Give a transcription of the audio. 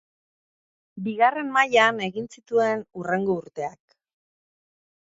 Bigarren mailan egin zituen hurrengo urteak.